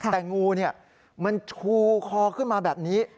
แต่งูมันชูคอขึ้นมาแบบนี้